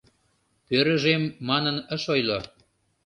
«Пӧрыжем» манын ыш ойло.